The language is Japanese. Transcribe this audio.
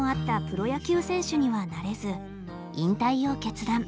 プロ野球選手にはなれず引退を決断。